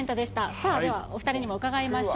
さあ、お２人にも伺いましょう。